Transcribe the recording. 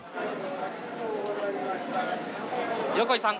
・横井さん